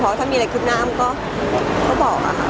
เพราะถ้ามีอะไรคิดหน้าก็บอกอะค่ะ